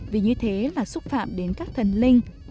vì như thế là xúc phạm đến các thần linh